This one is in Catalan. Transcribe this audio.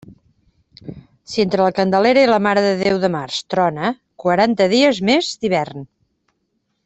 Si entre la Candelera i la Mare de Déu de març trona, quaranta dies més d'hivern.